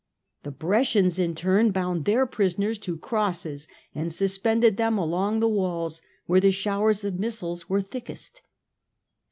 The Brescians in turn bound their prisoners to crosses and suspended them along the walls where the showers of missiles were thickest.